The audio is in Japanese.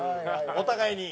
お互いに。